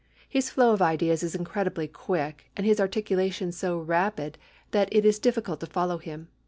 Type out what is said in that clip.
His flow of ideas is incredibly quick, and his articulation so rapid, that it is difficult to follow him.